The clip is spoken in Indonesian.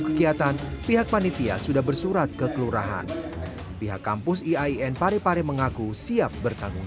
kegiatan pihak panitia sudah bersurat ke kelurahan pihak kampus iain parepare mengaku siap bertanggung